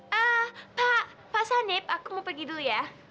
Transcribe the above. pak pak sanib aku mau pergi dulu ya